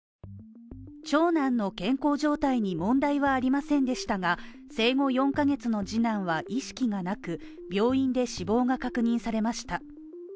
長男の健康状態に問題はありませんでしたが生後４カ月の次男は意識がなく、病院で死亡が確認されました。